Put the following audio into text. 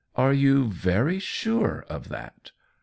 " Are you very sure of that